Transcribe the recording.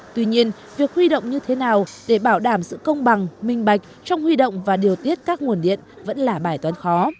tuy nhiên việc huy động như thế nào để bảo đảm sự công bằng minh bạch trong huy động và điều tiết các nguồn điện vẫn là bài toán khó